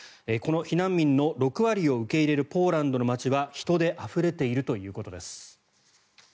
この避難民の６割を受け入れるポーランドの街は人であふれているということです。